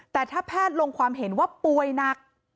แต่ถ้าแพทย์ลงความเห็นว่าป่วยหนัก